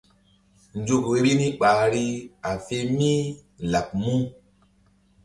Nzukri vbi ni ɓahri a fe mí laɓ mu?